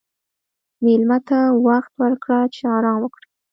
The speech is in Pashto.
مېلمه ته وخت ورکړه چې آرام وکړي.